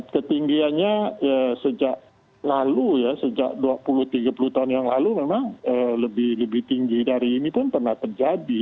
ketinggiannya sejak lalu ya sejak dua puluh tiga puluh tahun yang lalu memang lebih tinggi dari ini pun pernah terjadi